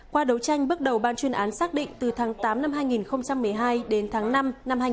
qua đấu tranh bước đầu ban chuyên án xác định từ tháng tám năm hai nghìn một mươi hai đến tháng năm năm hai nghìn một mươi tám